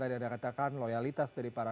tadi anda katakan loyalitas dari para